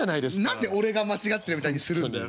何で俺が間違ってるみたいにするんだよ。